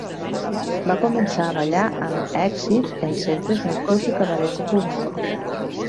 Va començar a ballar amb èxit en centres nocturns i cabarets de Cuba.